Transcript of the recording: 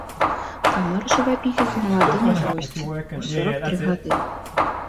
Памёр жывапісец у маладым узросце, у сорак тры гады.